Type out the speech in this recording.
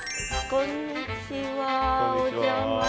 こんにちは。